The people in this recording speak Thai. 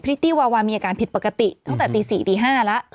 ตตี้วาวามีอาการผิดปกติตั้งแต่ตี๔ตี๕แล้ว